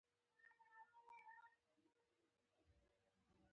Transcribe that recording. • علم د ژوند لارښوونه کوي.